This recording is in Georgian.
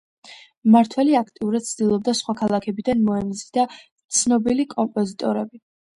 მმართველი აქტიურად ცდილობდა სხვა ქალაქებიდან მოეზიდა ცნობილი კომპოზიტორები.